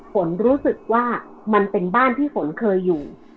ฝนรู้สึกว่ามันเป็นบ้านที่ฝนเคยอยู่